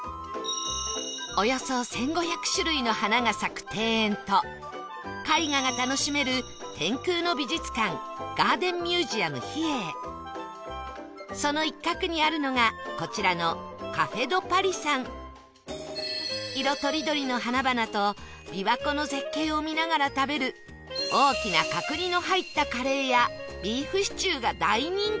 およそ１５００種類の花が咲く庭園と絵画が楽しめるその一角にあるのがこちらの色とりどりの花々と琵琶湖の絶景を見ながら食べる大きな角煮の入ったカレーやビーフシチューが大人気